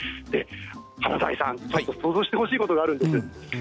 華大さん、ちょっと想像してほしいことがあるんです。